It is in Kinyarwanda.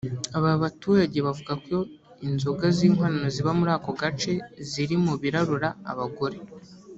Aba baturage bavuga ko inzoga z’inkorano ziba muri ako gace ziri mu birarura abagore